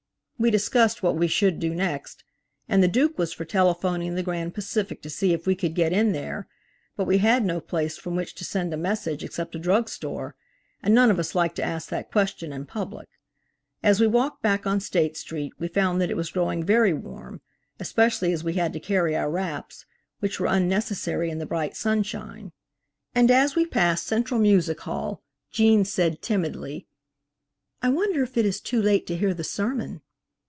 We discussed what we should do next, and the Duke was for telephoning the Grand Pacific to see if we could get in there, but we had no place from which to send a message except a drug store, and none of us liked to ask that question in public. As we walked back on State street we found that it was growing very warm, especially as we had to carry our wraps, which were unnecessary in the bright sunshine, and as we passed Central Music Hall, Gene said timidly: "I wonder if it is too late to hear the sermon?"